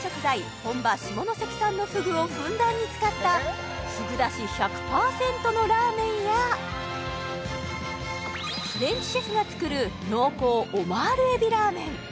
本場・下関産のふぐをふんだんに使ったふぐ出汁１００％のラーメンやフレンチシェフが作る濃厚オマール海老ラーメン